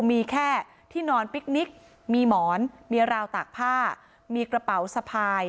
มีแค่ที่นอนพิกนิกมีหมอนมีราวตากผ้ามีกระเป๋าสะพาย